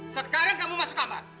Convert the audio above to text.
sekarang kamu masuk kamar